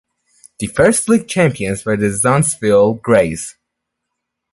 The first league champions were the Zanesville Greys.